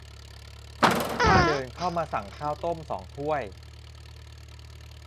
ถ้าเดินเข้ามาสั่งข้าวต้มสองถ้วย